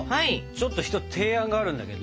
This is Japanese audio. ちょっと一つ提案があるんだけど。